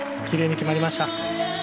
きれいに決まりました。